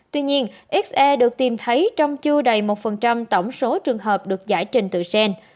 tuy nhiên se được tìm thấy trong chưa đầy một tổng số trường hợp được giải trình từ gen